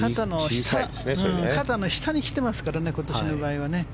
肩の下にきてますから今年の場合は。